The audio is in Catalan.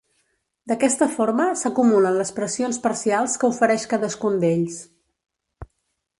D'aquesta forma, s'acumulen les pressions parcials que ofereix cadascun d'ells.